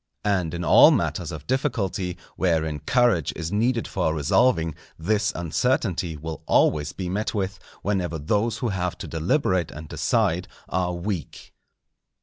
And in all matters of difficulty, wherein courage is needed for resolving, this uncertainty will always be met with, whenever those who have to deliberate and decide are weak.